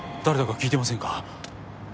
誰だか聞いてませんか？